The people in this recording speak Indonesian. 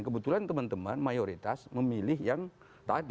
kebetulan teman teman mayoritas memilih yang tadi